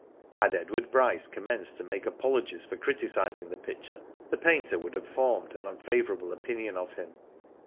Had Edward Bryce commenced to make apologies for criticising the picture, the painter would have formed an un favourable opinion of him.